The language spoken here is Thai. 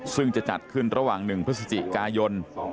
ซึ่งจะจัดขึ้นระหว่าง๑พฤศจิกายน